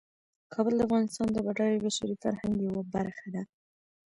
کابل د افغانستان د بډایه بشري فرهنګ یوه برخه ده.